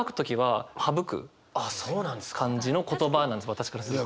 私からすると。